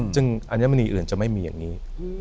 ซึ่งอัญมณีอื่นจะไม่มีอย่างนี้